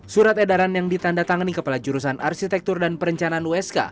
surat edaran yang ditanda tangani kepala jurusan arsitektur dan perencanaan usk